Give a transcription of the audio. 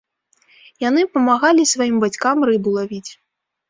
Яны памагалі сваім бацькам рыбу лавіць.